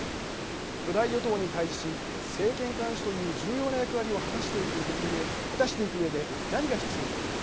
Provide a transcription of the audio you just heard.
巨大与党に対じし政権監視という重要な役割を果たしていくうえで何が必要か。